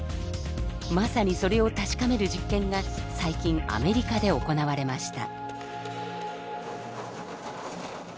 まさにそれを確かめる実験が最近アメリカで行われました。